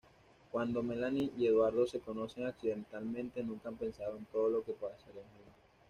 Cuando Melanie y Eduardo se conocen accidentalmente, nunca pensaron todo lo que pasarían juntos.